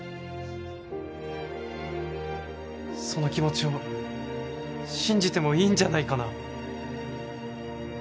その気持ちを信じてもいいんじゃないかな？